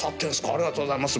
ありがとうございます！